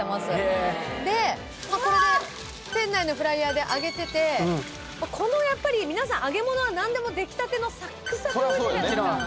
へぇでこれで店内のフライヤーで揚げててこのやっぱり皆さん揚げ物は何でも出来たてのサックサクをいくじゃないですか